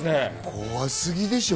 怖すぎでしょ！